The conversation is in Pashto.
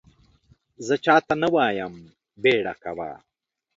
زه چا ته نه وایم بیړه کوه !